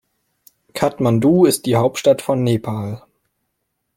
Kathmandu ist die Hauptstadt von Nepal.